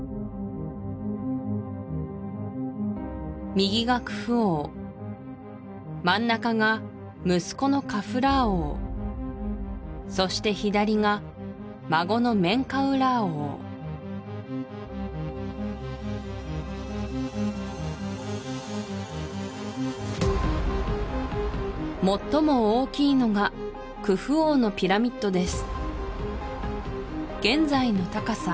右がクフ王真ん中が息子のカフラー王そして左が孫のメンカウラー王最も大きいのがクフ王のピラミッドです